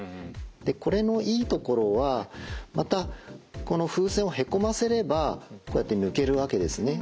これのいいところはまたこの風船をへこませればこうやって抜けるわけですね。